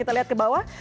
kita lihat ke bawah